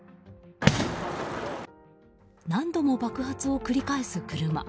何度も爆発を繰り返す車。